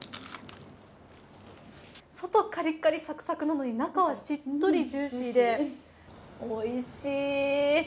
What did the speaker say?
外カリッカリ、サクサクなのに、中はしっとりジューシーで、おいしい。